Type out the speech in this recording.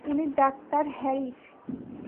উনি ডাক্তার হ্যারিস।